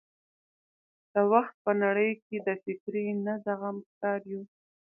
دا وخت په نړۍ کې د فکري نه زغم ښکار یو.